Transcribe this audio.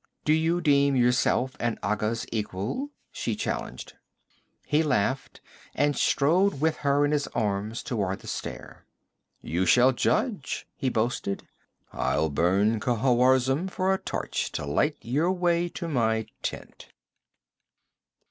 'Do you deem yourself an Agha's equal?' she challenged. He laughed and strode with her in his arms toward the stair. 'You shall judge,' he boasted. 'I'll burn Khawarizm for a torch to light your way to my tent.'